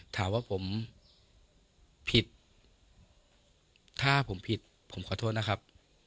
ถามว่าผมผิดถ้าผมผิดผมขอโทษนะครับ